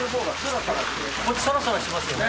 こっちサラサラしてますよね。